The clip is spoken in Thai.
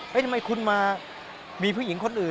ทำไมคุณมามีผู้หญิงคนอื่น